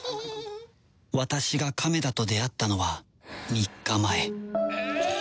私が亀田と出会ったのは３日前